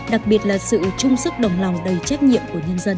đặc biệt là sự chung sức đồng lòng đầy trách nhiệm của nhân dân